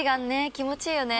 気持ちいいよね。